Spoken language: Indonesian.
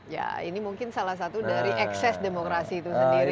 ya ini mungkin salah satu dari ekses demokrasi itu sendiri